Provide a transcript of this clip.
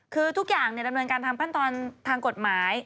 คือทุกอย่างดำเนินการตามขั้นตอนทางกฎหมาย